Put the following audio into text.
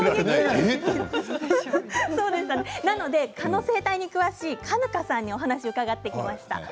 蚊の生態に詳しい嘉糠さんにお話を伺ってきました。